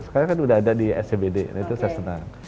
sekarang kan udah ada di scbd itu saya senang